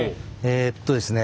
えっとですね